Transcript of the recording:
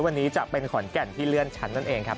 วันนี้จะเป็นขอนแก่นที่เลื่อนชั้นนั่นเองครับ